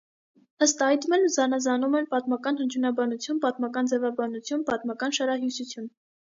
Ըստ այդմ էլ զանազանում են պատմական հնչյունաբանություն, պատմական ձևաբանություն, պատմական շարահյուսություն։